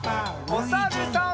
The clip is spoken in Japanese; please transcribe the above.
おさるさん。